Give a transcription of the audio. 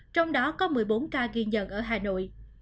trong đó có một mươi bốn ca ghi nhận ở hà nội